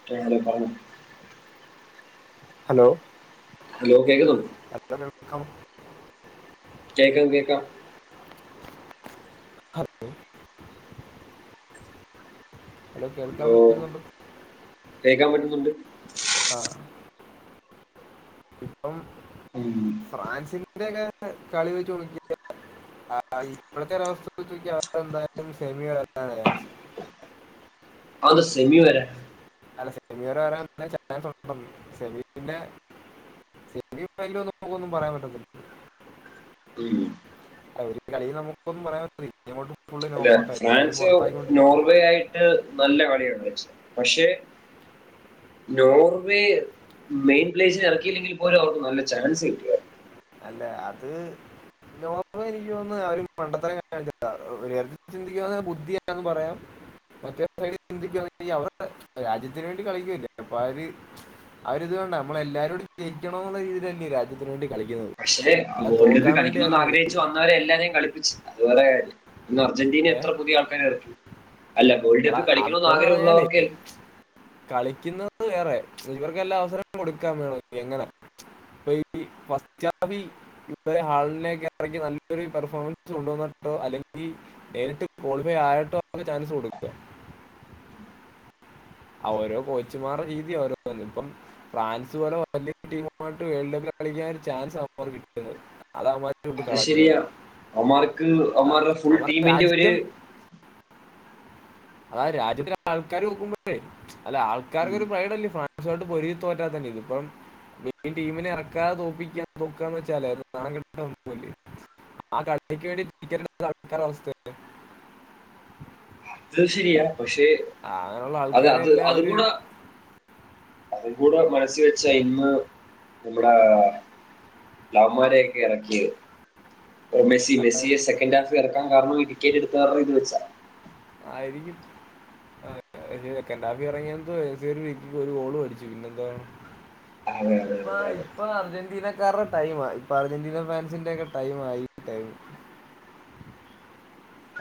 [unintelligible] Hello hello കേൾക്കുന്നുണ്ട് [unintelligible] കേക്കാം കേക്കാം ഹലോ ഹലോ കേൾക്കാൻ പറ്റുന്നുണ്ടോ കേക്കാൻ പറ്റുന്നുണ്ട് ആഹ് ഇപ്പം ഉം ഫ്രാൻസിന്റെക്കെ കളി വെച്ച് നോക്കിയാ ആഹ് ഇപ്പോഴത്തെ ഒരവസ്ഥ വെച്ചോക്കിയാ നാളെ എന്തായാലും സെമി [unintelligible] ചാൻസ് അഹ് എന്താ സെമി വരെ അല്ല സെമി വരെ വരാനെ ചാൻസ് [unintelligible] സെമിൻ്റെ സെമിയും [unintelligible] പോവോന്നും പറയാൻ പറ്റിത്തില്ല ഉം. അല്ലാ ഒരു കളി നമുക്കൊന്നും പറയാം അല്ലാ ഫ്രാൻസിയോ പുറത്തായിക്കൊണ്ടിരിക്കും നോർവേയായിട്ട് നല്ല കളിയാണ് കളിച്ചത് പക്ഷേ നോർവേ മെയിൻ പ്ലെയേഴ്സിനെ എറക്കിയില്ലെങ്കില് പോലും അവർക്ക് നല്ല ചാൻസ് കിട്ടിയെ അല്ല അത് നോർവേ എനിക്ക്യ് തോന്ന്ന്നെ അവര് മണ്ടത്തരം കാണിച്ചിട്ടാ ഒ ഒരു കാര്യത്തി ചിന്തി [unintelligible] ബുദ്ധിയല്ലാന്നും പറയാം മറ്റേ സൈഡ് ചിന്തിക്ക്യാണങ്കി [unintelligible] രാജ്യത്തിന് വേണ്ടി കളിക്ക്യല്ലേ അപ്പ [unintelligible] ആഹ് ഒരിത് വേണ്ട ഞമ്മള് എല്ലാരോടും ജയിക്കണോന്ന രീതില് തന്നേ രാജ്യത്തിന് വേണ്ടി കളിക്കുന്നത് പക്ഷേ ആഹ് അല്ല വേൾഡ് കപ്പ് തോക്കാൻ വേണ്ടി കളിക്കണോന്ന് ആരും ആഗ്രഹിച്ചി കളിക്കൂ ട്ട് വന്നവരെ എല്ലാരേം കള്പ്പിച്ചില്ലാ അതു വേറെ കാര്യം ഇന്ന് അർജന്റീന ഏ എത്ര പുതിയ ആൾക്കാരെ എറക്കി അല്ല വേൾഡ് അടാ കപ്പില് കളിക്കണോന്ന് ആഗ്രഹം ഉള്ളവർക്കെ കളിക്കിന്നത് വേറെ ഇവർക്കെല്ലാ അവസരം കൊടുക്കാ വേണങ്കി അങ്ങനെ [unintelligible] ഇപ്പഴെ ഹാള്നെക്കെ എറക്കി നല്ലൊരു പെർഫോമൻസ് കൊണ്ടോന്ന്ട്ടോ അല്ലെങ്കി നേരിട്ട് ക്വാളിഫൈ ആയാട്ടോ [unintelligible] ചാൻസ് കൊട്ക്കാ ആഹ് ഓരോ കോച്ചുമാരെ രീതിയാ ഓരോന്ന് വന്നെ ഇപ്പം ഫ്രാൻസ് പോലെ വല്ല്യ ടീമുമായിട്ട് വേൾഡ് കപ്പ് കളിക്ക്യാൻ ചാൻസ് അവമ്മാര്ക്ക് കിട്ട്മോ അത് അവമ്മാര് റ്റുണ്ട് അത് കളഞ്ഞത് ശരിയാ അവന്മാർക്ക് ആഹ് അവന്മാരുടെ ഫുൾ അവമ്മാരെ ടീമിന്റെ ഒരു രാജ്യം അതാ ആ രാജ്യത്തിലെ ആൾക്കാര് നോക്കുമ്പോല്ലെ അല്ല ഉം, ആൾക്കാര്ക്കൊര് പ്രൈഡല്ലേ ഫ്രാൻസോണ്ട് പൊര്തി തോറ്റാ തന്നെ ഇതി ഇപ്പം [unintelligible] ടീമിനെ എറക്കാതെ തോപ്പിക്കാ തോക്കാന്ന് വെച്ചാലേ അത് നാണക്കെട്ത്ത്ണെ പോലേയാവും ആഹ് [unintelligible] വേണ്ടി [unintelligible] അവസ്ഥ അത് ശരിയാ പക്ഷെ ആ, അങ്ങനെയുള്ള അത് ആൾക്കാരെ അത് എല്ലാം അതും ഒരു കൂടെ അതി കൂടെ മനസ്സി വെച്ചാ ഇന്ന് നമ്മുടെ ലവമാരെയൊക്കെ ഇറക്കിയത് ഓഹ് മെസ്സി മെസ്സിയെ സെക്കന്റ് ഹാഫ് ഇറക്കൻ കാരണം ടിക്കറ്റ് എടുത്ത ഇത് വെച്ചാ ആയിരിക്കും സെക്കൻ ഹാഫ് ഇറങ്ങിയ രീതി ഒരു ഗോള് മടിച്ചു പിന്നെന്താണ് അതെ, അതെ, ഇപ്പ അതെ. ഇപ്പൊ അർജന്റീനക്കാരുടെ ടൈം ആ ഇപ്പൊ അർജന്റീന ഫ്രാൻസിന്റെ ഒക്കെ ടൈയ്മായി ടൈ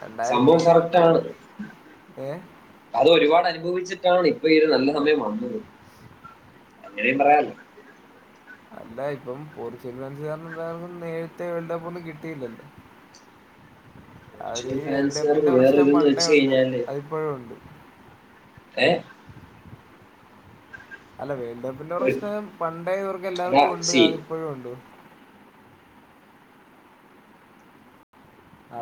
രണ്ടായിരത്തി സംഭവം ഇരുപത്തി കറക്റ്റാണ് ഏ അത് ഒരുപാട് അനുഭവിച്ചിട്ടാണ് ഇപ്പൊ ഇര് നല്ല സമയം വന്നത് അങ്ങനെയും പറയാലോ അല്ല ഇപ്പം പോർച്ചനസുകാര എക്കും നേരത്തെ വേൾഡ് കപ്പ് ഒന്നും കിട്ടിയില്ലല്ലോ അവര് പോർച്ചുഗൽ വേൾഡ് കപ്പിന്റെ ഫാൻസുകാർക്ക് വേറെ പ്രശ്നം ഇതെന്ന് പണ്ടേ വെച്ച് ഉണ്ട് കഴിഞ്ഞാല് അതിപ്പഴും ഉണ്ട് ഏഹ് അല്ല വേൾഡ് കപ്പിന്റെ പ്രശ്നം പണ്ടേതുവർക്ക എല്ലാവർക്കും ഉണ്ട് സി അത് ഇപ്പഴും ഉണ്ട് ആ